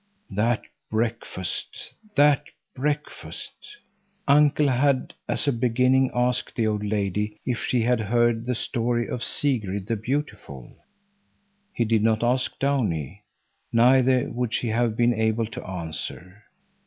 That breakfast, that breakfast! Uncle had as a beginning asked the old lady if she had heard the story of Sigrid the beautiful. He did not ask Downie, neither would she have been able to answer.